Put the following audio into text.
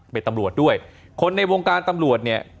เป็นตำรวจด้วยคนในวงการตำรวจเนี่ย